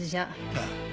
ああ。